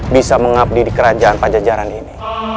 bisa mengabdi di kerajaan pajajaran ini